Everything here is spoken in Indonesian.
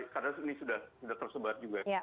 karena ini sudah tersebar juga